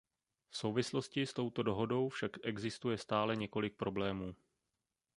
V souvislosti s touto dohodou však existuje stále několik problémů.